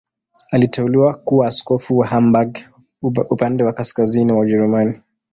Aliteuliwa kuwa askofu wa Hamburg, upande wa kaskazini wa Ujerumani.